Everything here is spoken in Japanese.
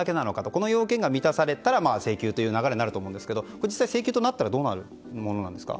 この要件が満たされたら請求という流れになると思うんですが実際、請求となったらどうなるものなんですか？